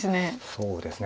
そうですね